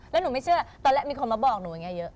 แล้วหนูไม่เชื่อตอนแรกมีคนมาบอกหนูอย่างนี้เยอะ